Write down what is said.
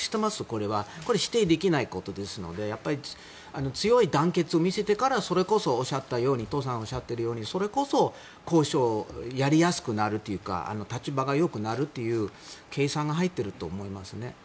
これは否定できないことですので強い団結を見せてから伊藤さんがおっしゃったようにそれこそ交渉がやりやすくなるというか立場が良くなるという計算が入っていると思います。